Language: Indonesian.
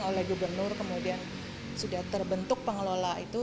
oleh gubernur kemudian sudah terbentuk pengelola itu